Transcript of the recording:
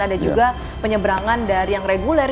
ada juga penyeberangan dari yang reguler